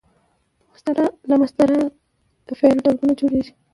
له مصدره د فعل ډولونه جوړیږي.